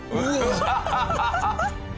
ハハハハ！